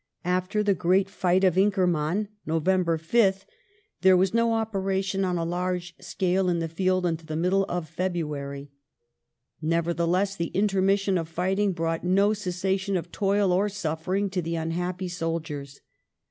After the great fight of Inkerman (Nov. 5th) there was no operation on a large scale in the field until the middle of February. Nevertheless, the intermission of fighting brought no cessation of toil or suffering to the unhappy soldiers.